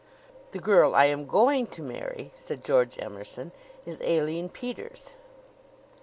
"The girl I am going to marry," said George Emerson, "is Aline Peters."